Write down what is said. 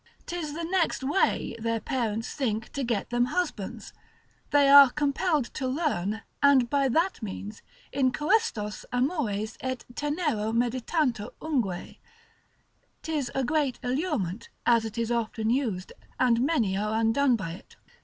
'Tis the next way their parents think to get them husbands, they are compelled to learn, and by that means, Incoestos amores de tenero meditantur ungue; 'tis a great allurement as it is often used, and many are undone by it.